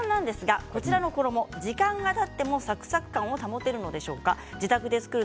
こちらの衣時間がたってもサクサク感を保てるのでしょうか。